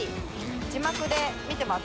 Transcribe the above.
字幕で見てます